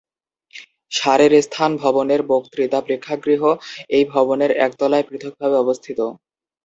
শারীরস্থান ভবনের বক্তৃতা প্রেক্ষাগৃহ এই ভবনের একতলায় পৃথক ভাবে অবস্থিত।